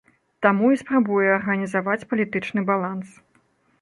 Таму і спрабуе арганізаваць палітычны баланс.